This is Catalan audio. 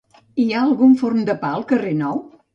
Hi ha algun forn de pa al carrer nou?